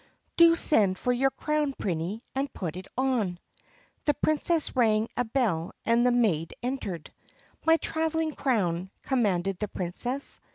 "Do send for your crown, Prinny, and put it on!" The Princess rang a bell and the maid entered. "My traveling crown," commanded the Princess.